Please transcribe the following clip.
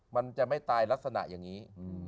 มันจะไม่ตายลักษณะอย่างนี้